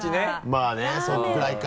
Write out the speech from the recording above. まぁねそのぐらいか。